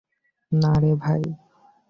না রে ভাই।